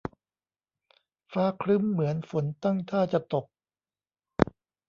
ฟ้าครึ้มเหมือนฝนตั้งท่าจะตก